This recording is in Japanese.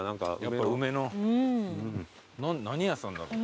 何屋さんだろう。